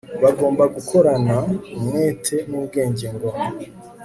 bagomba gukorana umwete nubwenge ngo